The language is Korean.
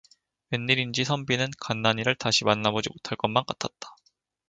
웬일인지 선비는 간난이를 다시는 만나 보지 못할 것만 같았다.